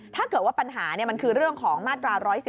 ถ้าเกิดว่าปัญหามันคือเรื่องของมาตรา๑๑๒